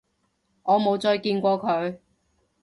我冇再見過佢